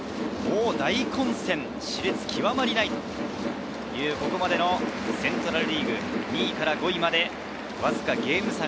大混戦、熾烈極まりないというここまでのセントラルリーグ、２位から５位まで、わずかゲーム差